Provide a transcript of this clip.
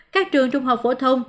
các trường trung học phổ thông